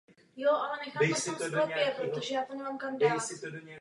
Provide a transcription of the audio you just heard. Barokní kazatelna stojí vedle vchodu do sakristie.